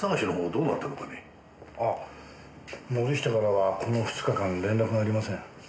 ああ森下からはこの２日間連絡がありません。